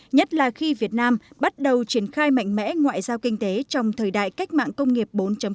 nhất là khi việt nam bắt đầu triển khai mạnh mẽ ngoại giao kinh tế trong thời đại cách mạng công nghiệp bốn